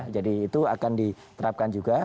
jadi itu akan diterapkan juga